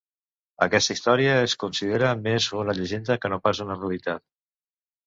Aquesta història es considera més una llegenda que no pas una realitat.